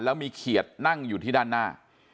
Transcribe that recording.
แล้วมีเขียดนั่งอยู่ที่ด้านหน้า